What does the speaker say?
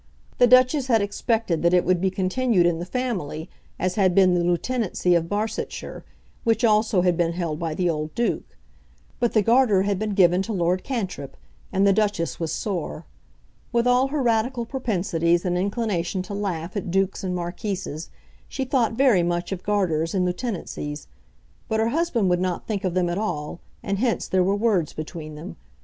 The Duchess had expected that it would be continued in the family, as had been the Lieutenancy of Barsetshire, which also had been held by the old Duke. But the Garter had been given to Lord Cantrip, and the Duchess was sore. With all her Radical propensities and inclination to laugh at dukes and marquises, she thought very much of Garters and Lieutenancies; but her husband would not think of them at all, and hence there were words between them.